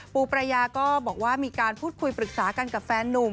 ปูปรายาก็บอกว่ามีการพูดคุยปรึกษากันกับแฟนนุ่ม